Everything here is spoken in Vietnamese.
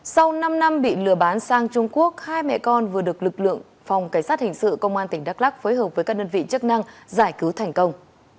sau năm năm bị lừa bán sang trung quốc hai mẹ con vừa được lực lượng phòng cảnh sát hình sự công an tỉnh đắk lắc phối hợp với các đơn vị chức năng giải cứu thành công